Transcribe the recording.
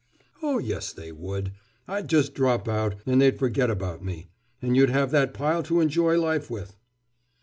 "Oh, yes they would. I'd just drop out, and they'd forget about me. And you'd have that pile to enjoy life with!"